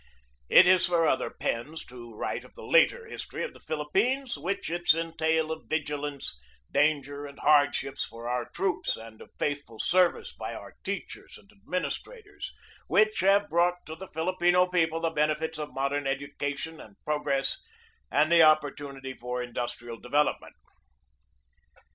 It is for other pens to write of the later history of the Philippines, with its entail of vigilance, danger, and hardships for our troops and of faithful service by our teachers and administrators, which have brought to the Filipino people the benefits of modern education and progress and the opportunity for industrial development.